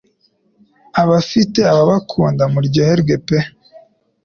abafite ababakunda muryoherwe pe